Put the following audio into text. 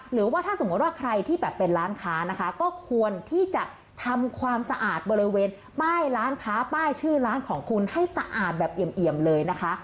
หรือว่าถ้าสมมุติว่าใครที่แบบเป็นร้านค้านะคะก็ควรที่จะทำความสะอาดบริเวณป้ายร้านค้าป้ายชื่อร้านของคุณให้สะอาดแบบเอี่ยมเลยนะคะ